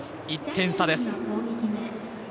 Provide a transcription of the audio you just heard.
１点差です。